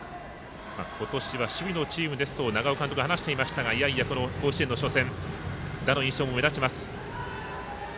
今年は守備のチームですと長尾監督は話していますがこの甲子園の初戦打の印象も目立ちます。